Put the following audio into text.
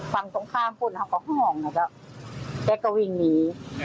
ฝั่งตรงข้ามพูดเขาก็ห่องอ่ะจ๊ะแกก็วิ่งหนีแกก็วิ่งหนี